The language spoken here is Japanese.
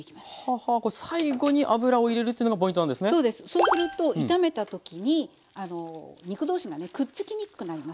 そうすると炒めた時に肉同士がくっつきにくくなりますね。